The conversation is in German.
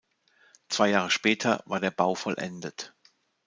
Zwei Jahre später war der Bau vollendet.